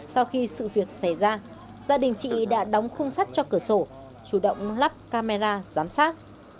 sau khi sự việc xảy ra gia đình chị đã đóng khung sắt cho cửa sổ chủ động lắp camera giám sát